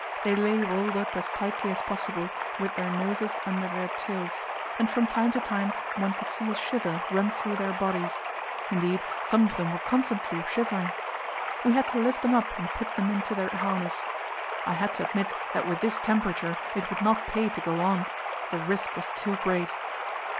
They lay rolled up as tightly as possible, with their noses under their tails, and from time to time one could see a shiver run through their bodies; indeed, some of them were constantly shivering. We had to lift them up and put them into their harness. I had to admit that with this temperature it would not pay to go on; the risk was too great.